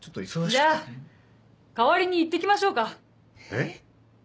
じゃあ代わりに行って来ましょうか。えっ？